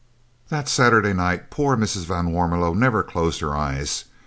That Saturday night poor Mrs. van Warmelo never closed her eyes.